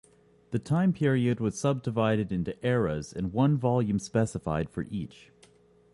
The time period was subdivided into eras and one volume specified for each.